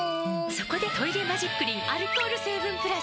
そこで「トイレマジックリン」アルコール成分プラス！